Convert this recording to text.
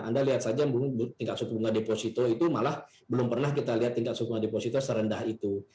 anda lihat saja tingkat suku bunga deposito itu malah belum pernah kita lihat tingkat suku bunga deposito serendah itu